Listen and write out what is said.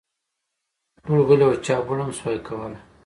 ټول غلي وه ، چا بوڼ هم شو کولی !